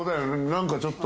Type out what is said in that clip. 何かちょっと。